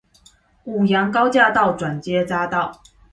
五楊高架道轉接匝道